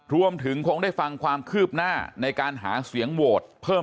รวมถึงคงได้ฟังความคืบหน้าในการหาเสียงโหวตเพิ่ม